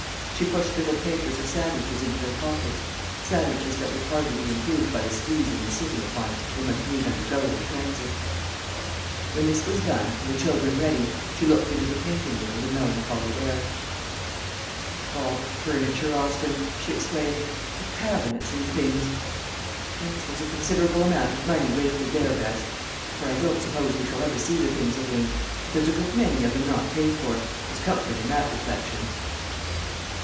She pushed little papers of sandwiches into their pockets sandwiches that would hardly be improved by the squeezing and sitting upon they must need undergo in the transit. When this was done, and the children ready, she looked into the painting room with a melancholy air. "Think of all the furniture, Austin," she exclaimed; "the cabinets and things!" "Yes; there's a considerable amount of money wasted there, Bess; for I don't suppose we shall ever see the things again, but there's a good many of them not paid for. There's comfort in that reflection."